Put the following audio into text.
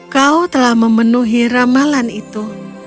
kau telah memenuhi ramalan itu